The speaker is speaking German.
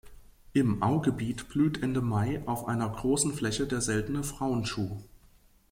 Im Augebiet blüht Ende Mai auf einer großen Fläche der seltene Frauenschuh.